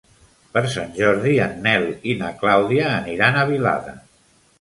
Per Sant Jordi en Nel i na Clàudia aniran a Vilada.